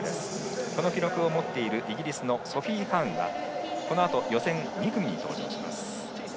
この記録を持っているイギリスのソフィー・ハーンはこのあと予選２組に登場します。